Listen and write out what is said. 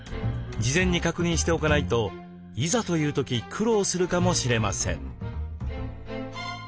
事前に確認しておかないといざという時苦労するかもしれません。